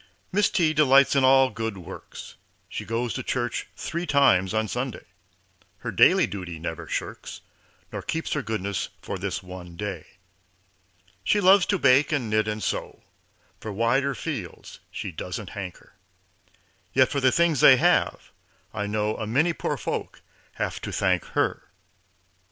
Miss T. delights in all good works, She goes to church three times on Sunday, Her daily duty never shirks, Nor keeps her goodness for this one day. She loves to bake and knit and sew, For wider fields she doesn't hanker; Yet for the things they have I know A many poor folk have to thank her.